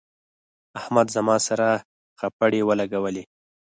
احمد زما سره خپړې ولګولې.